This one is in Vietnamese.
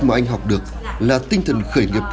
mà anh học được là tinh thần khởi nghiệp